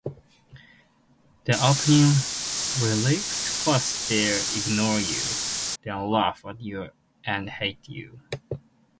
The opening lyrics First they ignore you, then laugh at you and hate you.